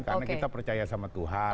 karena kita percaya sama tuhan